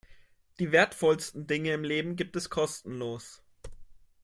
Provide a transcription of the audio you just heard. Die wertvollsten Dinge im Leben gibt es kostenlos.